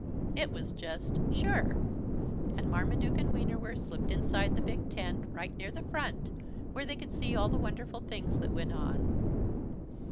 It was just "Sure!" and Marmaduke and Wienerwurst slipped inside the big tent, right near the front, where they could see all the wonderful things that went on.